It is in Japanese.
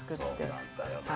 そうなんだよな。